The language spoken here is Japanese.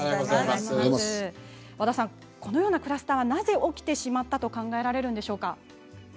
このようなクラスターがなぜ起きてしまったと考えられるんでしょうか。